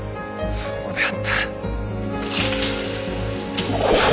そうであった。